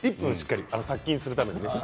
殺菌するためにね。